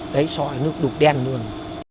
đấy sỏi nước đục đen luôn